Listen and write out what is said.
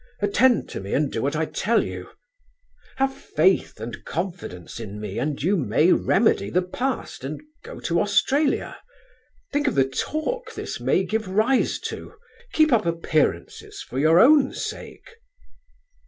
Attend to me and do what I tell you. Have faith and confidence in me and you may remedy the past and go to Australia. Think of the talk this may give rise to. Keep up appearances for your own sake...."